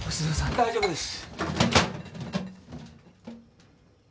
大丈夫です！